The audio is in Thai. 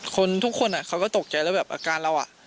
คนทุกคนเขาก็ตกใจแล้วแบบอาการเราอ่ะ